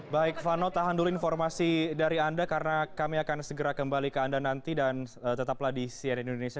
baik vano tahan dulu informasi dari anda karena kami akan segera kembali ke anda nanti dan tetaplah di cnn indonesia